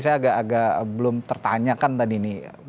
saya agak agak belum tertanyakan tadi ini